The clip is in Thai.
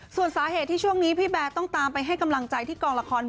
ส่วนสาเหตุที่ช่วงนี้พี่แบร์ต้องตามไปให้กำลังใจที่กองละคร